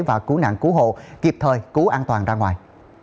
và cứu nạn cứu hộ kịp thời cứu an toàn ra ngoài